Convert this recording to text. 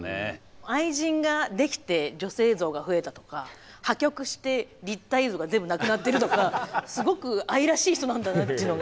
愛人ができて女性像が増えたとか破局して立体像が全部なくなってるとかすごく愛らしい人なんだなっていうのが。